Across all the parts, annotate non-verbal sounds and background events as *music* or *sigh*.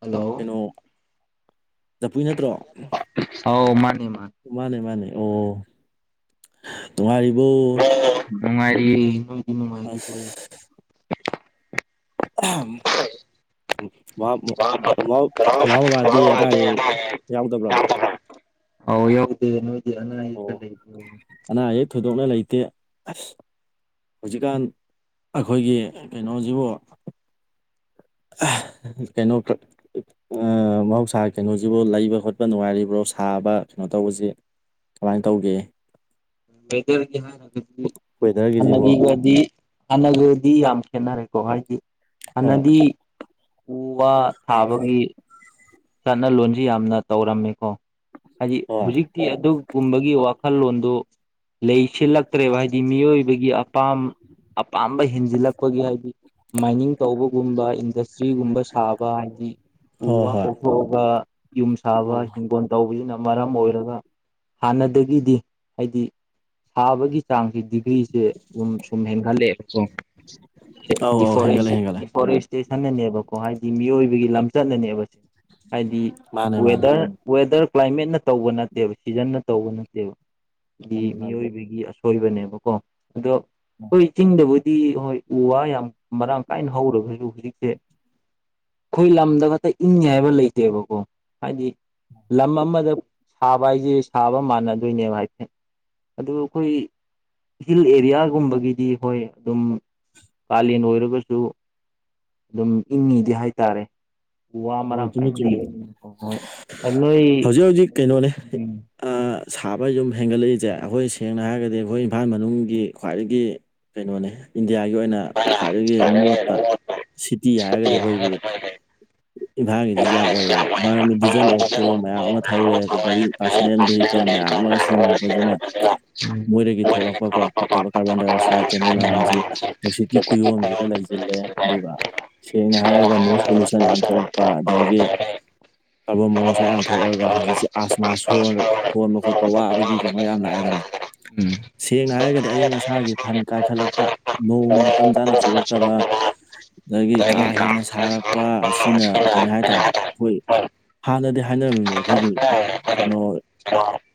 Hello ꯑꯣ ꯆꯐꯨꯏ ꯅꯠꯇ꯭ꯔꯣ ꯑꯧ ꯃꯥꯅꯦ ꯃꯥꯅꯦ ꯃꯥꯅꯦ ꯑꯣ ꯅꯨꯡꯉꯔꯤꯕꯣ ꯅꯨꯡꯉꯥꯏꯔꯤ ꯅꯣꯏꯗꯤ ꯅꯨꯡꯉꯥꯏꯔꯤꯕꯣ ꯑꯁ ꯑ ꯃꯥ ꯃꯃꯥ ꯃꯃꯥ ꯕꯕꯥꯗꯤ ꯑꯅꯥ ꯑꯌꯦꯛ ꯌꯥꯎꯗꯕ꯭ꯔꯣ ꯑꯥꯎ ꯌꯥꯎꯗ‌ꯦ ꯅ‌ꯣꯏꯗꯤ ꯑꯅꯥ ꯑꯌ‌ꯦꯛ ꯀꯥ ꯑꯣ ꯂꯩꯕꯔ‌ꯣ ꯑꯅꯥ ꯑꯌꯦꯛ ꯊꯣꯏꯗꯣꯛꯅ ꯂꯩꯇꯦ ꯑꯁ ꯍꯧꯖꯤꯛꯀꯥꯟ ꯑꯩꯈꯣꯏꯒꯤ ꯀꯩꯅꯣꯁꯤꯕꯨ ꯑꯍ ꯀꯩꯅꯣ ꯀꯛ ꯑꯥ ꯃꯍꯧꯁꯥ ꯀꯩꯅꯣꯁꯤꯕꯨ ꯂꯩꯕ ꯈꯣꯠꯄ ꯅꯨꯡꯉꯥꯏꯔꯤꯕ꯭ꯔꯣ ꯁꯥꯕ ꯀꯩꯅꯣ ꯇꯧꯕꯁꯤ ꯀꯃꯥꯏꯅ ꯇꯧꯒꯦ *unintelligible* ꯋꯦꯗꯔꯒꯤꯁꯤꯕꯣ ꯍꯥꯏꯒꯒꯗꯤ ꯍꯥꯟꯅꯒꯗꯤ ꯌꯥꯝ ꯈꯦꯠꯅꯔꯦꯀꯣ ꯍꯥꯏꯗꯤ ꯍꯣꯏ ꯍꯥꯟꯅꯗꯤ ꯎ ꯋꯥ ꯊꯥꯕꯒꯤ ꯆꯠꯅ ꯂꯣꯟꯖꯤ ꯌꯥꯝꯅ ꯇꯧꯔꯝꯃꯦꯀꯣ ꯍꯥꯏꯗꯤ ꯍꯣꯏ ꯍꯧꯖꯤꯛ ꯇꯦ ꯑꯗꯨꯒꯨꯝꯕꯒꯤ ꯋꯥꯈꯜꯂꯣꯟꯗꯨ ꯂꯩꯁꯤꯜꯂꯛꯇ꯭ꯔꯦꯕ ꯍꯥꯏ ꯃꯤꯑꯣꯏꯕꯒꯤ ꯑꯄꯥꯝ ꯑꯄꯥꯝꯕ ꯍꯦꯟꯖꯤꯜꯂꯛꯄꯒꯤ ꯍꯥꯏꯗꯤ ꯃꯥꯏꯅꯤꯡ ꯇꯧꯕꯒꯨꯝꯕ ꯏꯟꯗꯁꯇ꯭ꯔꯤꯒꯨꯝꯕ ꯁꯥꯕ ꯍꯥꯏꯗꯤ ꯎ ꯍꯣꯏ ꯋꯥ ꯍꯣꯏ ꯊꯣꯛꯑꯒ ꯌꯨꯝ ꯁꯥꯕ ꯍꯤꯡꯒꯣꯜ ꯇꯧꯕꯁꯤꯅ ꯃꯔꯝ ꯑꯣꯏꯔꯒ ꯍꯥꯟꯅꯗꯒꯤꯗꯤ ꯍꯥꯏꯗꯤ ꯊꯥꯕꯒꯤ ꯆꯥꯡꯁꯤ ꯗꯤꯒ꯭ꯔꯤꯁꯦ ꯑꯗꯨ ꯁꯨꯝ ꯍꯦꯟꯒꯠꯂꯛꯑꯦꯕ ꯑꯧ ꯑꯧ ꯍꯦꯟꯒꯠꯂꯦ ꯍꯦꯟꯒꯠꯂꯦ ꯗꯤꯐꯣꯔꯦꯁꯇꯦꯁꯟꯅꯅꯦꯕꯀꯣ ꯍꯥꯏꯗꯤ ꯃꯤꯑꯣꯏꯕꯒꯤ ꯂꯝꯆꯠꯅꯅꯦꯕ ꯁꯦ ꯍꯥꯏꯗꯤ ꯃꯥꯅꯦ ꯃꯥꯅꯦ ꯋꯦꯗꯔ ꯋꯦꯗꯔ ꯀ꯭ꯂꯥꯏꯃꯦꯠꯅ ꯇꯧꯕ ꯅꯠꯇꯦꯕ ꯁꯤꯖꯟꯅ ꯇꯧꯕ ꯅꯠꯇꯦꯕ ꯍꯥꯏꯗꯤ ꯃꯥꯅꯦ ꯃꯥꯅꯦ ꯃꯤꯑꯣꯏꯕꯒꯤ ꯁꯣꯏꯕꯅꯦꯕꯀꯣ ꯑꯗꯣ ꯍꯣꯏ ꯆꯤꯡꯗꯕꯨꯗꯤ ꯍꯣꯏ ꯎ ꯋꯥ ꯌꯥꯝ ꯃꯔꯥꯡ ꯀꯥꯏꯅ ꯍꯧꯔꯕꯁꯨ ꯍꯧꯖꯤꯛꯁꯦ ꯑꯩꯈꯣꯏ ꯂꯝꯗ ꯈꯛꯇ ꯏꯪꯉꯤ ꯍꯥꯏꯕ ꯂꯩꯇꯦꯕꯀꯣ ꯍꯥꯏꯗꯤ ꯂꯝ ꯑꯃꯗ ꯁꯥꯕ ꯍꯥꯏꯁꯦ ꯁꯥꯕ ꯃꯥꯟꯅꯗꯣꯏꯅꯦꯕ ꯍꯥꯏꯐꯦꯠ ꯑꯗꯨ ꯑꯩꯈꯣꯏ ꯍꯤꯜ ꯑꯦꯔꯤꯌꯥꯒꯨꯝꯕꯒꯤꯗꯤ ꯍꯣꯏ ꯑꯗꯨꯝ ꯀꯥꯂꯦꯟ ꯑꯣꯏꯔꯒꯁꯨ ꯑꯗꯨꯝ ꯏꯪꯉꯤꯗꯤ ꯍꯥꯏꯇꯥꯔꯦ ꯎ ꯋꯥ ꯍꯣꯏ ꯃꯔꯥꯡ ꯆꯨꯝꯃꯤ ꯀꯥꯏꯅ ꯆꯨꯝꯃꯤ ꯂꯩꯕꯒꯤ ꯅꯤ ꯀꯣ ꯅꯣꯏ ꯍꯧꯖꯤꯛ ꯍꯧꯖꯤꯛ ꯀꯩꯅꯣꯅꯦ ꯎꯝ ꯑꯥ ꯁꯥꯕ ꯁꯨꯝ ꯍꯦꯟꯒꯠꯂꯛꯏꯁꯦ ꯑꯩꯈꯣꯏ ꯁꯦꯡꯅ ꯍꯥꯏꯔꯒꯗꯤ ꯑꯩꯈꯣꯏ ꯏꯝꯐꯥꯜ ꯃꯅꯨꯡꯒꯤ ꯈ꯭ꯋꯥꯏꯗꯒꯤ ꯀꯩꯅꯣꯅꯦ ꯏꯟꯗꯤꯌꯥꯒꯤ ꯑꯣꯏꯅ ꯍꯣꯏ ꯈ꯭ꯋꯥꯏꯗꯒꯤ ꯍꯣꯏ ꯃꯣꯠꯄ ꯍꯣꯏ ꯁꯤꯇꯤ ꯍꯥꯏꯔꯒꯗꯤ ꯑꯩꯈꯣꯏꯒꯤ ꯍꯣꯏ ꯍꯣꯏ ꯎꯝ ꯏꯝꯐꯥꯜꯒꯤꯖꯤꯖꯨ ꯌꯥꯝ ꯑꯣꯏꯌꯦꯕ ꯃꯔꯝꯗꯤ ꯗꯤꯖꯟ ꯑꯣꯛꯇꯣ ꯃꯌꯥꯝ ꯑꯃ ꯊꯧꯔꯦ ꯒꯥꯔꯤ ꯄꯥꯔꯁꯣꯅꯦꯜ ꯚꯦꯍꯤꯀꯜ ꯃꯌꯥꯝ ꯑꯃꯒ ꯁꯤꯖꯤꯟꯅꯔꯛꯄꯁꯤꯅ ꯃꯣꯏꯗꯒꯤ ꯊꯣꯛꯂꯛꯄꯀꯣ ꯐꯠꯇꯕ ꯀꯥꯔꯕꯣꯟꯗꯥꯏꯑꯣꯛꯁꯥꯏꯠ ꯀꯩꯅꯣ ꯃꯌꯥꯝꯖꯤ ꯅꯨꯡꯁꯤꯠꯀꯤ ꯀꯨꯌꯣꯟꯁꯤꯗ ꯂꯩꯁꯤꯜꯂꯦ ꯑꯗꯨꯒ ꯁꯦꯡꯅ ꯍꯥꯏꯔꯒ ꯅꯣꯏꯁ ꯄꯣꯂꯨꯁꯟ ꯌꯥꯝ ꯊꯣꯛꯂꯛꯄ ꯑꯗꯒꯤ ꯀꯥꯔꯕꯣꯟ ꯃꯣꯅꯣꯑꯣꯛꯁꯥꯏꯠ ꯌꯥꯝ ꯊꯣꯛꯂꯛꯑꯒ ꯍꯧꯖꯤꯛꯁꯦ ꯑꯁꯃ ꯁꯣꯔ ꯍꯣꯟꯕ ꯈꯣꯠꯄ ꯋꯥꯕꯒꯤ ꯀꯩꯅꯣ ꯌꯥꯝ ꯂꯥꯛꯑꯦꯗꯅ ꯁꯦꯡꯅ ꯍꯥꯏꯔꯒꯗꯤ ꯑꯌꯤꯡ ꯑꯁꯥꯒꯤ ꯐꯟ ꯀꯥꯏꯈꯠꯂꯛꯄ ꯅꯣꯡ ꯃꯇꯝ ꯆꯥꯅ ꯆꯨꯔꯥꯛꯇꯕ ꯑꯗꯒꯤ ꯀꯥ ꯍꯦꯟꯅ ꯁꯥꯔꯛꯄ ꯑꯁꯤꯅ ꯀꯔꯤ ꯍꯥꯏꯇꯥꯔꯦ ꯑꯩꯈꯣꯏ ꯎꯝ ꯍꯥꯟꯅꯗꯤ ꯍꯥꯏꯅꯔꯝꯃꯤꯅꯦ ꯑꯩꯈꯣꯏꯒꯤ ꯀꯩꯅꯣ *unintelligible*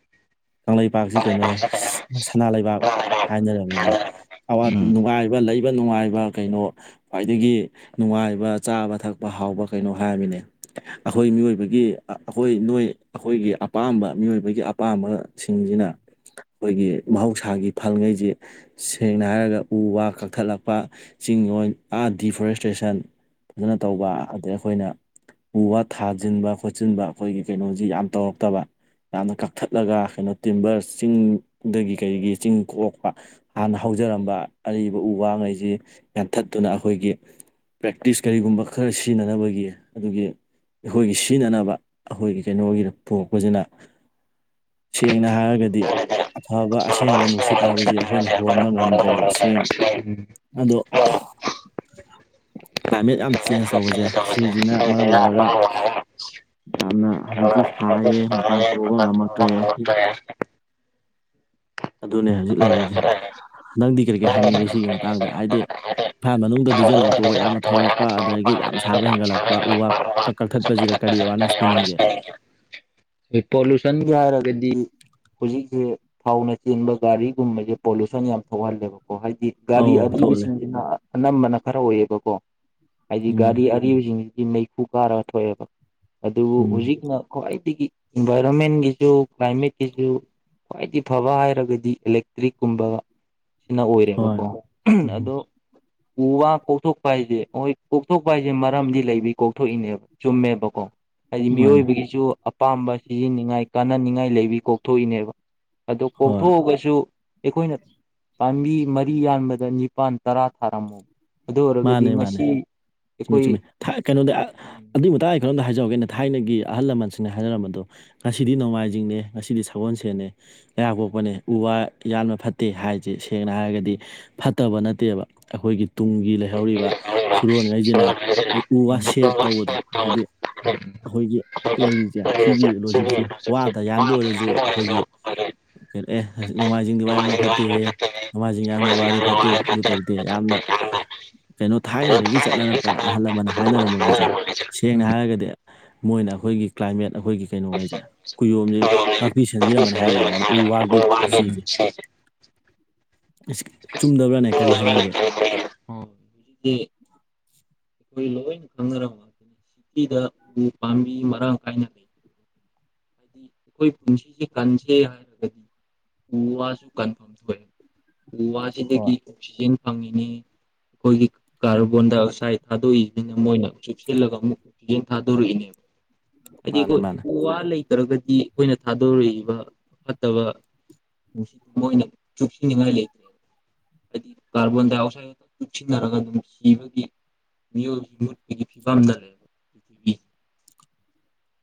ꯀꯥꯡꯂꯩꯄꯥꯛꯁꯤ ꯀꯩꯅꯣ ꯁꯅꯥ ꯂꯩꯕꯥꯛ ꯍꯥꯏꯅꯔꯝꯃꯤꯅꯦ ꯑꯋꯥꯠꯄ ꯅꯨꯡꯉꯥꯏꯕ ꯂꯩꯕ ꯅꯨꯡꯉꯥꯏꯕ ꯀꯩꯅꯣ ꯈ꯭ꯋꯥꯏꯗꯒꯤ ꯅꯨꯡꯉꯥꯏꯕ ꯆꯥꯕ ꯊꯛꯄ ꯍꯥꯎꯕ ꯀꯩꯅꯣ ꯍꯥꯏꯔꯝꯃꯤꯅꯦ ꯑꯩꯈꯣꯏ ꯃꯤꯑꯣꯏꯕꯒꯤ ꯑꯩꯈꯣꯏ ꯅꯣꯏ ꯑꯩꯈꯣꯏꯒꯤ ꯑꯄꯥꯝꯕ ꯃꯤꯑꯣꯏꯕꯒꯤ ꯑꯄꯥꯝꯕ ꯁꯤꯡꯁꯤꯅ ꯑꯩꯈꯣꯏꯒꯤ ꯃꯍꯧꯁꯥꯒꯤ ꯐꯜꯈꯩꯁꯤ ꯁꯦꯡꯅ ꯍꯥꯏꯔꯒ ꯎ ꯋꯥ ꯀꯛꯊꯠꯂꯛꯄ ꯆꯤꯡ ꯑꯥ ꯗꯤꯐꯣꯔꯦꯁꯇ꯭ꯔꯦꯁꯟ ꯑꯗꯨꯅ ꯇꯧꯕ ꯑꯗꯩ ꯑꯩꯈꯣꯏꯅ ꯎ ꯋꯥ ꯊꯥꯖꯤꯟꯕ ꯈꯣꯆꯤꯟꯕ ꯑꯩꯈꯣꯏꯒꯤ ꯀꯩꯅꯣꯖꯤ ꯌꯥꯝ ꯇꯧꯔꯛꯇꯕ ꯌꯥꯝꯅ ꯀꯛꯊꯠꯂꯒ ꯀꯩꯅꯣ ꯇꯤꯝꯕꯔ ꯆꯤꯡꯗꯒꯤ ꯀꯔꯤꯒꯤ ꯆꯤꯡ ꯀꯣꯛꯄ ꯍꯥꯟꯅ ꯍꯧꯖꯔꯝꯕ ꯑꯔꯤꯕ ꯎ ꯋꯥ ꯈꯩꯁꯤ ꯌꯥꯟꯊꯠꯇꯨꯅ ꯑꯩꯈꯣꯏꯒꯤ ꯄ꯭ꯔꯦꯛꯇꯤꯁ ꯀꯔꯤꯒꯨꯝꯕ ꯈꯔ ꯁꯤꯖꯤꯟꯅꯅꯕꯒꯤ ꯒꯤ ꯑꯗꯨꯒꯤ ꯑꯩꯈꯣꯏꯒꯤ ꯁꯤꯖꯤꯟꯅꯅꯕ ꯑꯩꯈꯣꯏꯒꯤ ꯀꯩꯅꯣꯒꯤ ꯄꯣꯔꯛꯄꯁꯤꯅ ꯁꯦꯡꯅ ꯍꯥꯏꯔꯒꯗꯤ ꯗꯤ ꯑꯐꯕ ꯑꯁꯦꯡꯕ ꯅꯨꯡꯁꯤꯠ ꯍꯥꯏꯕꯁꯤ ꯑꯩꯈꯣꯏꯅ ꯍꯣꯟꯕ ꯉꯝꯗ꯭ꯔꯦꯕ ꯁꯦꯡ ꯑꯗꯣ ꯀ꯭ꯂꯥꯏꯃꯦꯠ ꯌꯥꯝ ꯆꯦꯟꯖ ꯇꯧꯕꯁꯦ ꯁꯤꯖꯤꯅ ꯃꯔꯝ ꯑꯣꯏꯔꯒ ꯌꯥꯝꯅ ꯍꯧꯖꯤꯛꯇꯤ ꯁꯥꯏꯌꯦ ꯃꯄꯥꯟ ꯊꯣꯛꯑꯕ ꯉꯝꯃꯛꯇ꯭ꯔꯦ ꯑꯗꯨꯅꯦ ꯍꯧꯖꯤꯛ ꯂꯩꯔꯤꯁꯦ ꯅꯪꯗꯤ ꯀꯔꯤ ꯀꯔꯤ ꯍꯥꯏꯅꯤꯡꯒꯦ ꯁꯤꯒꯤ ꯃꯇꯥꯡꯗ ꯍꯥꯏꯗꯤ ꯏꯝꯐꯥꯜ ꯃꯅꯨꯡꯗ ꯗꯤꯖꯟ ꯑꯣꯛꯇꯣꯛꯑ ꯌꯥꯝꯅ ꯊꯧꯔꯛꯄ ꯑꯗꯒꯤ ꯌꯥꯝ ꯁꯥꯕ ꯍꯦꯟꯒꯠꯂꯛꯄ ꯎ ꯋꯥ ꯀꯛꯊꯠꯄꯁꯤꯗ ꯀꯔꯤ ꯑꯦꯋꯥꯔꯅꯦꯁ ꯄꯤꯅꯤꯡꯒꯦ *unintelligible* ꯑꯦ ꯄꯣꯂꯨꯁꯟ *unintelligible* ꯍꯥꯏꯔꯒꯗꯤ ꯍꯧꯖꯤꯛꯇꯤ ꯊꯥꯎꯅ ꯆꯦꯟꯕ ꯒꯥꯔꯤꯒꯨꯝꯕꯖꯦ ꯄꯣꯂꯨꯁꯟ ꯌꯥꯝ ꯊꯧꯍꯜꯂꯦꯕꯀꯣ ꯍꯥꯏꯗꯤ ꯒꯥꯔꯤ ꯑꯧ ꯊꯣꯛꯍꯜꯂꯦ ꯑꯔꯤꯕꯁꯤꯡꯁꯤꯅ ꯑꯅꯝꯕꯅ ꯈꯔ ꯑꯣꯏꯌꯦꯕꯀꯣ ꯍꯥꯏꯗꯤ ꯎꯝ ꯒꯥꯔꯤ ꯑꯔꯤꯕꯁꯤꯡꯁꯤꯗꯤ ꯃꯩꯈꯨ ꯀꯥꯔꯒ ꯊꯣꯛꯑꯦꯕ ꯑꯗꯨ ꯎꯝ ꯍꯧꯖꯤꯛ ꯈ꯭ꯋꯥꯏꯗꯒꯤ ꯏꯟꯚꯥꯏꯔꯣꯟꯃꯦꯟꯒꯤꯁꯨ ꯀ꯭ꯂꯥꯏꯃꯦꯠꯀꯤꯁꯨ ꯈ꯭ꯋꯥꯏꯗꯩ ꯐꯕ ꯍꯥꯏꯔꯒꯗꯤ ꯏꯂꯦꯛꯇ꯭ꯔꯤꯛ ꯀꯨꯝꯕ ꯅ ꯍꯣꯏ ꯑꯣꯏꯔꯦꯕꯀꯣ ꯎꯝ ꯑꯗꯣ ꯎ ꯋꯥ ꯀꯣꯛꯊꯣꯛꯄ ꯍꯥꯏꯁꯦ ꯍꯣꯏ ꯀꯣꯛꯊꯣꯛꯄ ꯍꯥꯏꯁꯦ ꯃꯔꯝꯗꯤ ꯂꯩꯕꯩ ꯀꯣꯛꯊꯣꯛꯏꯅꯦ ꯆꯨꯝꯃꯦꯕꯀꯣ ꯍꯥꯏꯗꯤ ꯃꯥꯅꯦ ꯃꯤꯑꯣꯏꯕꯒꯤꯁꯨ ꯑꯄꯥꯝꯕ ꯁꯤꯖꯤꯅꯤꯡꯉꯥꯏ ꯀꯥꯟꯅꯅꯤꯡꯉꯥꯏ ꯂꯩꯕꯒꯤ ꯀꯣꯛꯊꯣꯛꯏꯅꯦꯕ ꯑꯗꯣ ꯍꯣꯏ ꯀꯣꯛꯊꯣꯛꯑꯒꯁꯨ ꯑꯩꯈꯣꯏꯅ ꯄꯥꯝꯕꯤ ꯃꯔꯤ ꯌꯥꯟꯕꯗ ꯅꯤꯄꯥꯜ ꯇꯔꯥ ꯊꯥꯔꯝꯃꯨ ꯑꯗꯨ ꯑꯣꯏꯔꯒꯗꯤ ꯃꯥꯅꯦ ꯃꯥꯅꯦ ꯉꯁꯤ ꯆꯨꯝꯃꯦ ꯆꯨꯝꯃꯦ ꯑꯩꯈꯣꯏ ꯊꯥꯏ ꯀꯩꯅꯣꯗ ꯑꯗꯨꯏ ꯃꯇꯥꯡꯗ ꯑꯩ ꯀꯩꯅꯣꯝꯗ ꯍꯥꯏꯖꯍꯧꯒꯦꯅꯤ ꯊꯥꯏꯅꯒꯤ ꯑꯍꯜ ꯂꯃꯟꯁꯤꯡꯅ ꯍꯥꯏꯅꯔꯝꯕꯗꯣ ꯉꯁꯤꯗꯤ ꯅꯣꯡꯃꯥꯏꯖꯤꯡꯅꯦ ꯉꯁꯤꯗꯤ ꯁꯒꯣꯜꯁꯦꯟꯅꯦ ꯂꯩꯕꯥꯛꯄꯣꯛꯄꯅꯦ ꯎ ꯋꯥ ꯌꯥꯟꯕ ꯐꯠꯇꯦ ꯍꯥꯏ ꯁꯤ ꯁꯦꯡꯅ ꯍꯥꯏꯔꯒꯗꯤ ꯐꯠꯇꯕ ꯅꯠꯇꯦꯕ ꯑꯩꯈꯣꯏꯒꯤ ꯇꯨꯡꯒꯤ ꯂꯩꯍꯧꯔꯤꯕ ꯁꯨꯔꯣꯟꯒꯩ *unintelligible* ꯅ ꯎ ꯋꯥ ꯁꯦꯞ ꯇꯧꯕꯗꯣ ꯍꯥꯏꯗꯤ ꯑꯈꯣꯏꯒꯤ ꯂꯩꯔꯤꯖꯦ ꯁꯤꯒꯤ ꯂꯣꯖꯤꯛꯁꯦ ꯋꯥꯗ ꯌꯥꯟꯕ ꯑꯣꯏꯔꯖꯨ ꯑꯩꯈꯣꯏꯒꯤ ꯑꯦ ꯅꯣꯡꯃꯥꯏꯖꯤꯡꯗꯤ ꯋꯥ ꯎꯝ ꯌꯥꯝꯅ ꯑꯣ ꯐꯠꯇꯦꯍꯦ ꯃꯃꯥꯁꯤꯡ ꯌꯥꯝꯅ ꯋꯥꯔ ꯐꯠꯇꯦ ꯑꯗꯨ ꯇꯧꯗꯦ ꯌꯥꯝꯅ ꯀꯩꯅꯣ ꯊꯥꯏꯅꯗꯒꯤ ꯆꯠ ꯑꯍꯜ ꯂꯃꯟꯅ ꯍꯥꯏꯅꯔꯃ ꯉꯩꯁꯦ ꯁꯦꯡꯅ ꯍꯥꯏꯔꯒꯗꯤ ꯃꯣꯏꯅ ꯑꯩꯈꯣꯏꯒꯤ ꯀ꯭ꯂꯥꯏꯃꯦꯠ ꯑꯩꯈꯣꯏꯒꯤ ꯀꯩꯅꯣ ꯍꯥꯏꯖꯦ ꯀꯨꯌꯣꯝꯖꯤ ꯉꯥꯛꯄꯤ ꯁꯦꯟꯕꯤꯔꯝꯕꯅꯤ ꯍꯥꯏꯕ ꯌꯥꯏꯕꯨ ꯎ ꯋꯥꯒꯤ ꯄꯨꯟꯁꯤꯖꯦ ꯆꯨꯝꯗꯕ꯭ꯔꯥꯅꯦ ꯀꯔꯤ ꯍꯥꯏꯅꯤꯡꯒꯦ *unintelligible* *unintelligible* ꯑꯩꯈꯣꯏ ꯂꯣꯏꯅ ꯈꯪꯅꯔꯝꯃꯅꯤ ꯁꯤꯇꯤꯗ ꯎ ꯄꯥꯝꯕꯤ ꯃꯔꯥꯡ ꯀꯥꯏꯅ ꯂꯩ ꯑꯩꯈꯣꯏ ꯄꯨꯟꯁꯤꯁꯤ ꯀꯟꯁꯦ ꯍꯥꯏꯔꯒꯗꯤ ꯎ ꯋꯥꯁꯨ ꯀꯟꯐꯝ ꯊꯣꯛꯑ ꯎ ꯋꯥꯖꯤꯗꯒꯤ ꯍꯣꯏ ꯑꯣꯛꯁꯤꯖꯦꯟ ꯐꯪꯉꯤꯅꯤ ꯑꯩꯈꯣꯏꯒꯤ ꯎꯝ ꯀꯥꯔꯕꯣꯟ ꯗꯥꯏꯑꯣꯛꯁꯥꯏꯠ ꯊꯥꯗꯣꯛꯏꯁꯤꯅ ꯃꯣꯏꯅ ꯆꯨꯞꯁꯤꯜꯂꯒ ꯑꯃꯨꯛ ꯑꯣꯛꯁꯤꯖꯦꯟ ꯊꯥꯗꯣꯔꯛꯏꯅꯦꯕ ꯍꯥꯏꯗꯤ ꯃꯥꯅꯦ ꯑꯩꯈꯣꯏ ꯃꯥꯅꯦ ꯎ ꯋꯥ ꯂꯩꯇ꯭ꯔꯒꯗꯤ ꯑꯩꯈꯣꯏꯅ ꯊꯥꯗꯣꯔꯛꯏꯕ ꯐꯠꯇꯕ *unintelligible* ꯀꯥꯔꯕꯣꯟ ꯗꯥꯏꯑꯛꯁꯥꯏꯗꯛꯇ ꯇꯨꯡꯁꯤꯟꯅꯔꯒ ꯑꯗꯨꯝ ꯁꯤꯕꯒꯤ ꯃꯤꯑꯣꯏꯕ ꯃꯨꯠꯄꯒꯤ ꯐꯤꯕꯝꯗ ꯂꯩ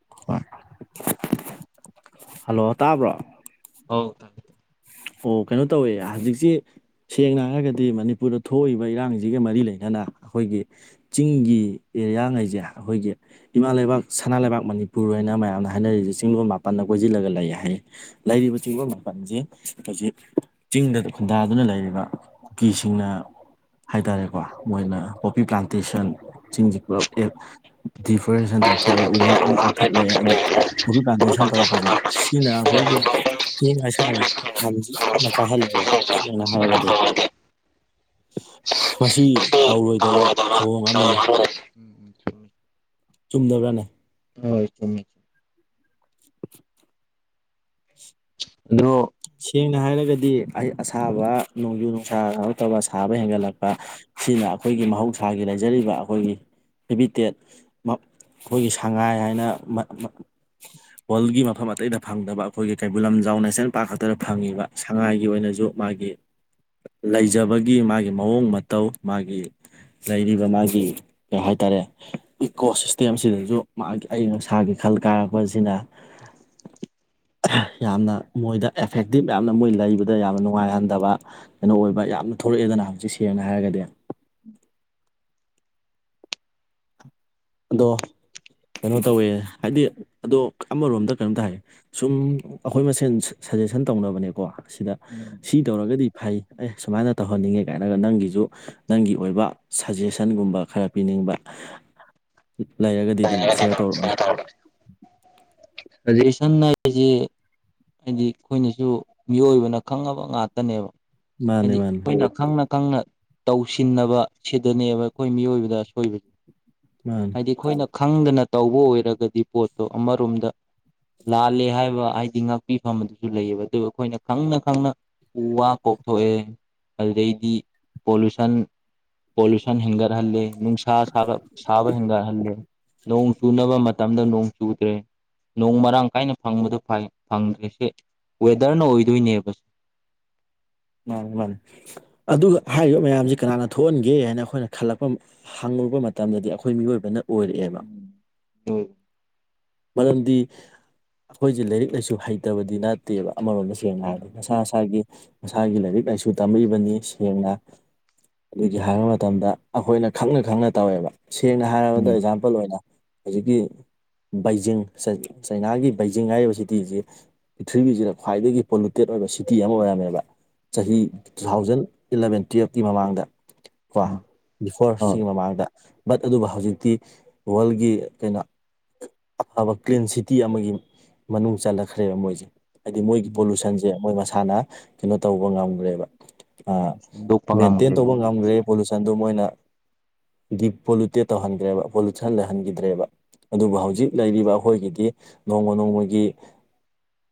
*unintelligible* ꯍꯜꯂꯣ ꯇꯥꯕ꯭ꯔꯣ *unintelligible* ꯑꯣ ꯀꯩꯅꯣ ꯇꯧꯋꯦ ꯍꯧꯖꯤꯛꯁꯤ ꯁꯦꯡꯅ ꯍꯥꯏꯔꯒꯗꯤ ꯃꯅꯤꯄꯨꯔꯗ ꯊꯣꯛꯏꯕ ꯏꯔꯥꯡꯖꯤꯒ ꯃꯔꯤ ꯂꯩꯅꯅ ꯑꯩꯈꯣꯏꯒꯤ ꯆꯤꯡꯒꯤ ꯑꯦꯔꯤꯌꯥꯉꯩꯖꯦ ꯑꯩꯈꯣꯏꯒꯤ ꯏꯃꯥ ꯂꯩꯕꯥꯛ ꯁꯅꯥ ꯂꯩꯕꯥꯛ ꯃꯅꯤꯄꯨꯔ ꯍꯥꯏꯅ ꯃꯌꯥꯝꯅ ꯍꯥꯏꯅꯔꯤꯁꯦ ꯆꯤꯡꯂꯣꯟ ꯃꯥꯄꯟꯅꯗ ꯀꯣꯏꯁꯤꯜꯂꯒ ꯂꯩ ꯍꯥꯏ ꯂꯩꯔꯤꯕ ꯆꯤꯡꯕ ꯃꯄꯥꯟꯁꯦ ꯍꯧꯖꯤꯛ ꯆꯤꯡꯗ ꯈꯨꯟꯗꯥꯗꯨꯅ ꯂꯩꯔꯤꯕ ꯀꯨꯀꯤꯁꯤꯡꯅ ꯍꯥꯏꯇꯥꯔꯦꯀꯣ ꯃꯣꯏꯅ ꯄꯣꯄꯤ ꯄ꯭ꯂꯥꯟꯇꯦꯁꯟ ꯆꯤꯡꯖꯤ ꯄꯨꯂꯞ ꯑꯦꯞ ꯗꯤꯐꯣꯔꯦꯁꯦꯁꯟ ꯇꯧꯊꯣꯛꯑꯦ ꯎ ꯋꯥꯥꯛ ꯂꯥꯏ ꯀꯛꯊꯠꯂꯛꯑꯦ ꯑꯗꯨ ꯎꯨ ꯄ꯭ꯂꯥꯟꯇꯦꯁꯟ ꯇꯧꯔꯛꯄꯁꯦ ꯁꯤꯅ ꯑꯈꯣꯏꯒꯤ ꯏꯌꯤꯡ ꯑꯁꯥꯒꯤ ꯈꯟꯖꯤ ꯌꯥꯝꯅ ꯀꯥꯏꯍꯜꯂꯦ ꯁꯦꯡꯅ ꯍꯥꯏꯔꯒꯗꯤ ꯇꯥꯏ꯫ ꯃꯁꯤ ꯎꯝ ꯎꯝ ꯇꯧꯔꯣꯏꯗꯕ ꯊꯧꯑꯣꯡ ꯑꯃꯅꯤ ꯆꯨꯝꯃꯤ ꯆꯨꯝꯗꯕ꯭ꯔꯥꯅꯦ ꯍꯣꯏ ꯆꯨꯝꯃꯤ ꯑꯗꯣ ꯁꯦꯡꯅ ꯍꯥꯏꯔꯒꯗꯤ ꯑꯩ ꯑꯁꯥꯕ ꯅꯣꯡꯖꯨ ꯅꯨꯡꯁꯥ ꯁꯥꯕ ꯍꯦꯟꯒꯠꯂꯛꯄ ꯁꯤꯅ ꯑꯩꯈꯣꯏꯒꯤ ꯃꯍꯧꯁꯥꯒꯤ ꯂꯩꯖꯔꯤꯕ ꯑꯩꯈꯣꯏꯒꯤ ꯍꯦꯕꯤꯇꯦꯠ ꯑꯩꯈꯣꯏꯒꯤ ꯁꯉꯥꯏ ꯍꯥꯏꯅ ꯋꯜꯒꯤ ꯃꯐꯝ ꯑꯇꯩꯗ ꯐꯪꯗꯕ ꯑꯩꯈꯣꯏꯒꯤ ꯀꯩꯕꯨꯜ ꯂꯝꯖꯥꯎ ꯅꯦꯁꯅꯦꯜ ꯄꯥꯛ ꯈꯛꯇꯗ ꯐꯪꯉꯤꯕ ꯁꯉꯥꯏꯒꯤ ꯑꯣꯏꯅꯁꯨ ꯃꯥꯒꯤ ꯂꯩꯖꯕꯒꯤ ꯃꯥꯒꯤ ꯃꯑꯣꯡ ꯃꯇꯧ ꯃꯥꯒꯤ ꯂꯩꯔꯤꯕ ꯃꯥꯒꯤ ꯀꯩ ꯍꯥꯏꯇꯥꯔꯦ ꯏꯀꯣ ꯁꯤꯁꯇꯦꯝꯁꯤꯗꯁꯨ ꯃꯥ ꯑꯏꯪ ꯑꯁꯥꯒꯤ ꯈꯜ ꯀꯥꯔꯛꯄꯁꯤꯅ ꯌꯥꯝꯅ ꯃꯣꯏꯗ ꯑꯦꯐꯦꯛꯇꯤꯞ ꯃꯌꯥꯝꯅ ꯃꯣꯏ ꯂꯩꯕꯗ ꯌꯥꯝꯅ ꯅꯨꯡꯉꯥꯏꯍꯟꯗꯕ ꯀꯩꯅꯣ ꯑꯣꯏꯕ ꯌꯥꯝꯅ ꯊꯣꯛꯂꯛꯑꯦꯗꯅ ꯍꯧꯖꯤꯛ ꯁꯦꯡꯅ ꯍꯥꯏꯔꯒꯗꯤ ꯑꯗꯣ ꯀꯩꯅꯣ ꯇꯧꯋꯦ ꯍꯥꯏꯗꯤ ꯑꯗꯣ ꯑꯃꯔꯣꯝꯗ ꯀꯩꯅꯣꯝꯇ ꯍꯥꯏ ꯁꯨꯝ ꯑꯩꯈꯣꯏ ꯃꯁꯦꯟ ꯁꯖꯦꯁꯟ ꯇꯧꯅꯕꯅꯦꯀꯣ ꯁꯤꯗ *inaudible* ꯁꯤ ꯇꯧꯔꯒꯗꯤ ꯐꯩ ꯑꯦ ꯁꯨꯃꯥꯏꯅ ꯇꯧꯍꯟꯅꯤꯡꯉꯦ ꯀꯥꯏꯅꯒ ꯅꯪꯒꯤꯖꯨ ꯅꯪꯒꯤ ꯑꯣꯏꯕ ꯁꯖꯦꯁꯟꯒꯨꯝꯕ ꯈꯔ ꯄꯤꯅꯤꯡꯕ ꯂꯩꯔꯒꯗꯤ ꯑꯗꯨꯝ ꯁ꯭ꯌꯥꯔ *unintelligible* *unintelligible* ꯍꯥꯏꯗꯤ ꯑꯩꯈꯣꯏꯅꯁꯨ ꯃꯤꯑꯣꯏꯕꯅ ꯈꯪꯉꯕ ꯉꯥꯛꯇꯅꯦꯕ ꯃꯥꯅꯦ ꯍꯥꯏꯗꯤ ꯃꯥꯅꯦ ꯑꯩꯈꯣꯏꯅ ꯈꯪꯅ ꯈꯪꯅ ꯇꯧꯁꯤꯟꯅꯕ ꯁꯤꯗꯅꯦꯕ ꯑꯩꯈꯣꯏ ꯃꯤꯑꯣꯏꯕꯗ ꯑꯁꯣꯏꯕꯁꯦ *inaudible* ꯍꯥꯏꯗꯤ ꯑꯩꯈꯣꯏꯅ ꯈꯪꯗꯅ ꯇꯧꯕ ꯑꯣꯏꯔꯒꯗꯤ ꯄꯣꯠꯇꯣ ꯑꯃꯔꯣꯝꯗ ꯂꯥꯜꯂꯦ ꯍꯥꯏꯕ ꯍꯥꯏꯗꯤ ꯉꯥꯛꯄꯤꯐꯝ ꯑꯗꯨꯁꯨ ꯂꯩꯌꯦꯕ ꯑꯗꯨꯕꯨ ꯑꯩꯈꯣꯏꯅ ꯈꯪꯅ ꯈꯪꯅ ꯎ ꯋꯥ ꯀꯣꯛꯊꯣꯛꯑꯦ ꯑꯗꯨꯗꯩꯗꯤ ꯄꯣꯂꯨꯁꯟ ꯄꯣꯂꯨꯁꯟ ꯍꯦꯟꯒꯠ ꯇꯍꯜꯂꯦ ꯅꯨꯡꯁꯥ ꯁꯥꯕ ꯍꯦꯟꯒꯠꯍꯜꯂꯦ ꯅꯣꯡ ꯆꯨꯅꯕ ꯃꯇꯝꯗ ꯅꯣꯡ ꯆꯨꯗ꯭ꯔꯦ ꯅꯣꯡ ꯃꯔꯥꯡ ꯀꯥꯏꯅ ꯐꯪꯕꯗꯣ ꯐꯩ ꯐꯪꯗ꯭꯭ꯔꯗꯤ ꯋꯦꯗ꯭ꯔꯅ ꯑꯣꯏꯗꯣꯏꯅꯦꯕ ꯃꯥꯅꯤ ꯃꯥꯅꯤ ꯑꯗꯨꯒ ꯍꯥꯏꯔꯤꯕ ꯃꯌꯥꯝꯁꯤ ꯀꯅꯥꯅ ꯊꯣꯛꯍꯟꯒꯦ ꯍꯥꯏꯅ ꯑꯩꯈꯣꯏꯅ ꯈꯜꯂꯛꯄ ꯍꯪꯉꯨꯕ ꯃꯇꯝꯗꯗꯤ ꯑꯩꯈꯣꯏ ꯃꯤꯑꯣꯏꯕꯅ ꯑꯣꯏꯔꯛꯑꯦꯕ ꯍꯣꯢ ꯃꯔꯝꯗꯤ ꯑꯩꯈꯣꯏꯖꯦ ꯂꯥꯏꯔꯤꯛ ꯂꯥꯏꯁꯨ ꯍꯩꯇꯕꯗꯤ ꯅꯠꯇꯦꯕ ꯑꯃꯔꯣꯝꯗ ꯁꯦꯡꯅ ꯍꯥꯏꯔꯗꯤ ꯎꯝ ꯃꯁꯥ ꯍꯥꯢꯗꯤ ꯃꯁꯥꯒꯤ ꯂꯥꯏꯔꯤꯛ ꯂꯥꯏꯁꯨ ꯇꯝꯃꯛꯏꯕꯅꯤ ꯁꯦꯡꯅ ꯑꯗꯨꯒꯤ ꯍꯥꯏꯕ ꯃꯇꯝꯗ ꯑꯩꯈꯣꯏꯅ ꯈꯪꯅ ꯈꯪꯅ ꯇꯧꯋꯦꯕ ꯁꯦꯡꯅ ꯍꯥꯏꯔꯕꯗ ꯑꯦꯛꯖꯥꯝꯄꯜ ꯑꯣꯏꯅ ꯍꯧꯖꯤꯛꯀꯤ ꯕꯩꯖꯤꯡ ꯆꯩꯅꯥꯒꯤ ꯕꯩꯖꯤꯡ ꯍꯥꯏꯔꯤꯕ ꯁꯤꯇꯤꯖꯤ ꯄ꯭ꯔꯤꯊꯤꯕꯤꯁꯤꯗ ꯈ꯭ꯋꯥꯏꯗꯒꯤ ꯄꯣꯂꯨꯇꯦꯠ ꯑꯣꯏꯕ ꯁꯤꯇꯤ ꯑꯃ ꯑꯣꯏꯔꯝꯃꯦꯕ ꯆꯍꯤ ꯇꯨ ꯊꯥꯎꯖꯟ ꯏꯜꯂꯕꯦꯟ ꯇꯨꯌꯦꯜꯞꯀꯤ ꯃꯃꯥꯡꯗ ꯀꯣ ꯕꯤꯐꯣꯔ ꯁꯤꯒꯤ ꯃꯃꯥꯡꯗ ꯕꯠ ꯑꯗꯨꯕꯨ ꯍꯧꯖꯤꯛꯇꯤ ꯋꯥꯔꯜꯒꯤ ꯀꯩꯅꯣ ꯑꯐꯕ ꯀ꯭ꯂꯤꯟ ꯁꯤꯇꯤ ꯑꯃꯒꯤ ꯃꯅꯨꯡ ꯆꯜꯂꯛꯈ꯭ꯔꯦꯕ ꯃꯣꯏꯖꯦ ꯍꯥꯏꯗꯤ ꯃꯣꯏꯒꯤ ꯄꯣꯂꯨꯁꯟꯖꯦ ꯁꯦ ꯃꯣꯏ ꯃꯁꯥꯅ ꯀꯩꯅꯣ ꯇꯧꯕ ꯉꯝꯒ꯭ꯔꯦꯕ ꯑ ꯃꯦꯟꯇꯦꯟ ꯇꯧꯕ ꯉꯝꯒ꯭ꯔꯦ ꯄꯣꯂꯨꯁꯟꯗꯨ ꯃꯣꯏꯅ ꯗꯤꯄꯣꯂꯨꯇꯦꯠ ꯇꯣ ꯍꯟꯒ꯭ꯔꯦꯕ ꯄꯣꯂꯨꯁꯟ ꯂꯩꯍꯟꯒꯤꯗ꯭ꯔꯦꯕ ꯑꯗꯨꯕꯨ ꯍꯧꯖꯤꯛ ꯂꯩꯔꯤꯕ ꯑꯩꯈꯣꯏꯒꯤꯗꯤ ꯅꯣꯡꯃ ꯅꯣꯡꯃꯒꯤ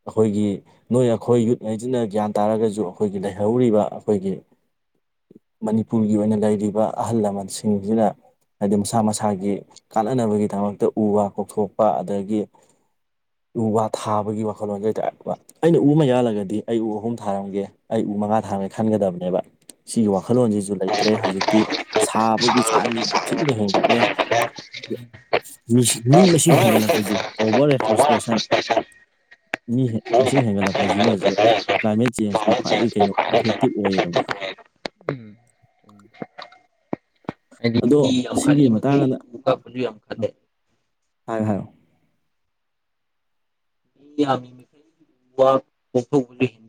ꯑꯈꯣꯏꯒꯤ ꯅꯣꯏ ꯑꯩꯈꯣꯏ ꯌꯨꯠ ꯈꯩꯁꯤꯅ ꯒ꯭ꯌꯥꯟ ꯇꯥꯔꯒꯁꯨ ꯑꯩꯈꯣꯏꯒꯤ ꯂꯩꯍꯧꯔꯤꯕ ꯑꯩꯈꯣꯏꯒꯤ ꯃꯅꯤꯄꯨꯔꯒꯤ ꯑꯣꯏꯅ ꯂꯩꯔꯤꯕ ꯑꯍꯜ ꯂꯃꯟꯁꯤꯡꯁꯤꯗ ꯍꯥꯏꯗꯤ ꯃꯁꯥ ꯃꯁꯥꯒꯤ ꯀꯥꯟꯅꯅꯕꯒꯤꯗꯃꯛꯇ ꯎ ꯋꯥ ꯀꯣꯛꯊꯣꯛꯄ ꯑꯗꯒꯤ ꯎ ꯋꯥ ꯊꯥꯕꯒꯤ ꯋꯥꯈꯜꯂꯣꯟꯁ‌ꯦ ꯍꯥꯏꯇꯥꯔ‌ꯦ ꯑꯩꯅ ꯎ ꯑꯃ ꯌꯥꯜꯂꯒꯗꯤ ꯑꯩ ꯎ ꯑꯍꯨꯝ ꯊꯥꯔꯝꯒꯦ ꯑꯩ ꯎ ꯃꯉꯥ ꯊꯥꯔꯝꯒꯦ ꯈꯟꯒꯗꯕꯅꯦꯕ ꯁꯤꯒꯤ ꯋꯥꯈꯜꯂꯣꯟꯁꯤꯁꯨ ꯂꯩꯇ꯭ꯔꯦ ꯍꯧꯖꯤꯛꯇꯤ ꯁꯥꯕꯒꯤ ꯆꯥꯡ ꯌꯥꯝ ꯊꯤꯅ ꯍꯦꯟꯒꯠꯂꯦ ꯃꯤ ꯃꯁꯤꯡ ꯍꯦꯟꯒꯠꯂꯛꯄꯁꯦ ꯑꯣꯕꯔ ꯑꯦꯐꯣꯔ‌ꯦꯁꯇꯦꯁꯟ ꯃꯤ ꯃꯁꯤꯡ ꯍꯦꯟꯒꯠꯂꯛꯄꯁꯤꯅꯁꯨ ꯀ꯭ꯂꯥꯏꯃꯦꯠ ꯆꯦꯟꯖꯀꯤ ꯈ꯭ꯋꯥꯏꯗꯒꯤ ꯀꯩꯅꯣ ꯑꯦꯐꯦꯛꯇꯤꯞ ꯑꯣꯏꯌꯦꯕ ꯎꯝ ꯎꯝ ꯍꯥꯏꯗꯤ ꯑꯗꯣ ꯁꯤꯒꯤ ꯃꯇꯥꯡꯗ *unintelligible* ꯍꯥꯢꯌꯣ ꯍꯥꯢꯌꯦ *unintelligible*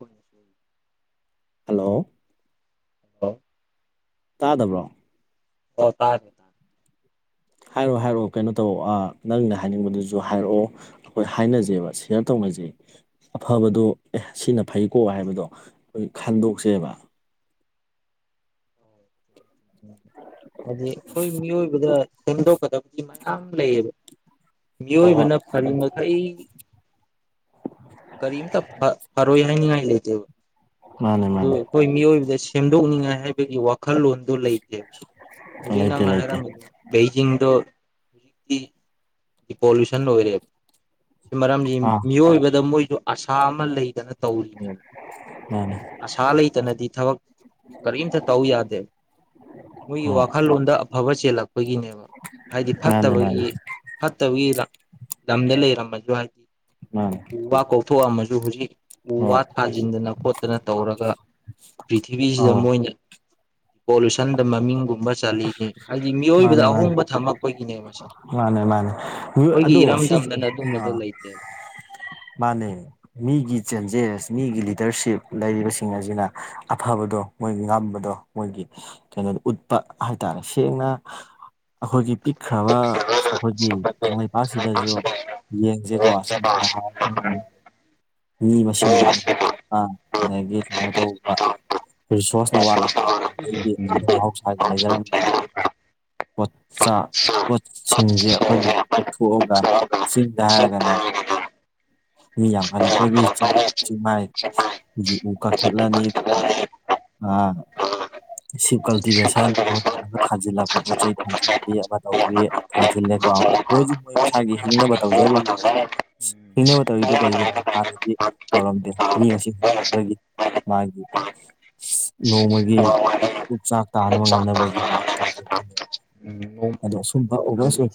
ꯑꯩꯈꯣꯏꯅꯁꯨ ꯍꯜꯂꯣ *inaudible* ꯇꯥꯗꯕ꯭ꯔꯣ ꯑꯣ ꯇꯥꯔꯦ ꯇꯥꯔꯦ ꯍꯥꯏꯔꯛꯑꯣ ꯍꯥꯏꯔꯛꯑꯣ ꯀꯩꯅꯣ ꯇꯧ ꯑ ꯅꯪꯅ ꯍꯥꯏꯅꯤꯡꯕꯗꯨꯖꯨ ꯍꯥꯏꯔꯛꯑꯣ ꯍꯣꯏ ꯍꯥꯏꯅꯖꯦꯕ ꯁꯤꯌꯥ꯭ꯔ ꯇꯧꯅꯖꯦ ꯑꯐꯕꯗꯣ ꯑꯦ ꯁꯤꯅ ꯐꯩꯀꯣ ꯍꯥꯏꯕꯗꯣ ꯑꯩꯈꯣꯏ ꯈꯟꯗꯣꯛꯁꯦꯕ ꯑꯣ *inaudible* ꯍꯥꯏꯗꯤ ꯑꯩꯈꯣꯏ ꯃꯤꯑꯣꯏꯕꯗ ꯁꯦꯝꯗꯣꯛꯀꯗꯕꯗꯤ ꯃꯌꯥꯝ ꯂꯩꯌꯦꯕ ꯍꯣꯏ ꯍꯣꯏ ꯃꯤꯑꯣꯏꯕꯅ ꯐꯔꯤ ꯃꯈꯩ ꯀꯔꯤꯝꯇ ꯐ ꯐꯔꯣꯏ ꯍꯥꯏꯅꯤꯡꯉꯥꯏ ꯂꯩꯇꯦꯕ ꯃꯥꯅꯦ ꯑꯗ‌ꯣ ꯃꯥꯅꯦ ꯑꯩꯈ‌ꯣꯏ ꯃꯤꯑꯣꯏꯕꯗ ꯁꯦꯝꯗꯣꯛꯅꯤꯡꯉꯥꯏ ꯍꯥꯏꯕꯒꯤ ꯋꯥꯈꯜꯂꯣꯟꯗꯣ ꯂꯩꯇꯦꯕ ꯍꯧꯖꯤꯛ ꯂꯩꯇꯦ ꯅꯪꯅ ꯂꯩꯇꯦ ꯍꯥꯏꯔꯝꯃꯤꯗ‌ꯣ ꯕꯩꯖꯤꯡꯗꯣ ꯍꯧꯖꯤꯛꯇꯤ ꯄꯣꯂꯨꯁꯟ ꯑꯣꯏꯔꯦ ꯁꯤ ꯃꯔꯝꯗꯤ ꯑꯥ ꯃꯤꯑꯣꯏꯕꯗ ꯃꯣꯏ ꯑꯁꯥ ꯑꯃ ꯂꯩꯗꯅ ꯇꯧꯔꯤꯅꯦ ꯃꯥꯅꯦ ꯑꯁꯥ ꯂꯩꯇꯅꯗꯤ ꯊꯕꯛ ꯀꯔꯤꯝꯇ ꯇꯧ ꯌꯥꯗꯦ ꯃꯣꯏꯒꯤ ꯍꯣꯏ ꯋꯥꯈꯜꯂꯣꯟꯗ ꯑꯐꯕ ꯆꯦꯜꯂꯛꯄꯒꯤꯅꯦꯕ ꯍꯥꯏꯗꯤ ꯃꯥꯅꯦ ꯃꯥꯅꯦ ꯐꯠꯇꯕꯒꯤ ꯐꯠꯇꯕꯒꯤ ꯂꯝ ꯇꯝꯗ ꯂꯩꯔꯝꯕ ꯗꯨꯃꯥꯏꯅ ꯑꯥ ꯎ ꯋꯥ ꯀꯣꯛꯊꯣꯛꯑꯝꯃꯁꯨ ꯍꯧꯖꯤꯛ ꯎ ꯋꯥ ꯊꯥꯖꯤꯟꯗꯅ ꯈꯣꯠꯇꯅ ꯇꯧꯔꯒ ꯄ꯭ꯔꯤꯊꯤꯕꯤꯁꯤꯗ ꯑꯧ ꯃꯣꯏꯅ ꯄꯣꯂꯨꯁꯟꯗ ꯃꯃꯤꯡꯒꯨꯝꯕ ꯆꯠꯂꯤꯅꯦ ꯍꯥꯏꯕꯗꯤ ꯃꯤꯑꯣꯏꯕꯗ ꯃꯥꯅꯦ ꯃꯥꯅꯦ ꯑꯍꯣꯡꯕ ꯊꯝꯃꯛꯄꯒꯤꯅꯦꯕꯁꯦ ꯃꯥꯅꯦ ꯃꯥꯅꯦ ꯑꯗꯣ ꯁꯤꯁ ꯑꯗꯨꯝꯕꯗꯣ ꯑ ꯂꯩꯇꯦꯕ ꯃꯥꯅꯦ ꯃꯤꯒꯤ ꯆꯦꯟꯖꯦꯁ ꯃꯤꯒꯤ ꯂꯤꯗꯔꯁꯤꯞ ꯂꯩꯔꯤꯕꯁꯤꯡ ꯑꯁꯤꯅ ꯑꯐꯕꯗꯣ ꯃꯣꯏ ꯉꯝꯕꯗꯣ ꯃꯣꯏꯒꯤ ꯀꯩꯅꯣꯗ ꯎꯠꯄ ꯍꯥꯏꯇꯥꯔꯦ ꯁꯦꯡꯅ ꯑꯩꯈꯣꯏꯒꯤ ꯄꯤꯛꯈ꯭ꯔꯕ ꯑꯩꯈꯣꯏꯒꯤ ꯀꯪꯂꯩꯄꯥꯛꯁꯤꯗꯁꯨ ꯌꯦꯡꯁꯦꯀꯣ ꯁꯤꯅ ꯍꯥꯏ *inaudible* ꯃꯤ ꯃꯁꯤꯡ ꯌꯥꯝ ꯍꯦꯟꯒꯠꯂꯛꯄ ꯑꯗꯒꯤ ꯀꯩꯅꯣ ꯇꯧꯕ ꯔꯤꯁꯣꯔꯁꯅ ꯋꯥꯠꯂꯛꯄ *unintelligible* *unintelligible* ꯄꯣꯠ ꯆꯥ ꯄꯣꯠꯁꯤꯡꯁꯦ ꯑꯩꯈꯣꯏꯅ ꯀꯣꯛꯊꯣꯛꯑꯒ ꯆꯤꯡꯗ ꯍꯥꯏꯔꯒꯅ ꯃꯤ ꯌꯥꯝ ꯍ‌ꯦꯜꯂꯛꯄꯒꯤ ꯆꯤꯡ ꯆꯤꯡꯃꯥꯏꯒꯤ ꯎ ꯀꯛꯊꯠꯂꯅꯤ ꯑꯗꯨꯒ ꯑꯥ ꯁꯤꯞ ꯀꯜꯇꯤꯚꯦꯁꯟꯅ ꯊꯥꯖꯤꯜꯂꯛꯄ ꯄꯣꯠ ꯆꯩ ꯊꯥꯖꯤꯟꯕꯤ ꯑꯃ ꯇꯧꯔ‌ꯦ ꯐꯥꯖꯤꯜꯂꯦꯀꯣ ꯃꯣꯏꯁꯨ ꯃꯣꯏ ꯃꯁꯥꯒꯤ ꯍꯤꯡꯅꯕ ꯇꯧꯖꯔꯤꯅꯤ ꯏꯅꯕ ꯇꯧꯔꯤꯗꯨ ꯀꯩꯒꯤꯅꯣ ꯍꯥꯟꯅꯗꯤ ꯇꯧꯔꯝꯗꯦ ꯃꯤ ꯃꯁꯤꯡ ꯍꯦꯟꯒꯠꯂꯛꯄꯒꯤ ꯃꯥꯒꯤ ꯅꯣꯡꯃꯒꯤ ꯄꯨꯆꯥꯛ ꯇꯥꯅꯕ ꯉꯝꯅꯕꯒꯤ ꯇꯧꯖ ꯎꯝ ꯅꯣꯡ ꯑꯗꯣ ꯁꯨꯝꯕꯕ ꯂꯝꯕꯤ